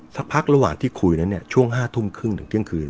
สักพักระหว่างที่คุยนั้นเนี่ยช่วง๕ทุ่มครึ่งถึงเที่ยงคืน